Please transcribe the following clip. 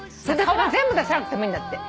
顔は全部出さなくてもいいんだって。